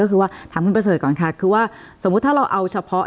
ก็คือว่าถามคุณประเสริฐก่อนค่ะคือว่าสมมุติถ้าเราเอาเฉพาะ